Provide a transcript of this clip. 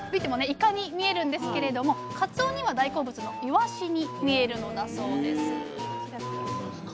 イカに見えるんですけれどもかつおには大好物のいわしに見えるのだそうです